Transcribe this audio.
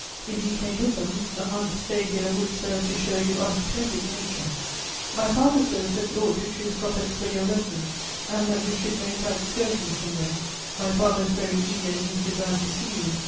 If you came with them, a month's stay here would serve to show you our splendid nature. My father says that you ought to choose Coppet for your residence and that we should make our excursions from there. My father is very eager in his desire to see you.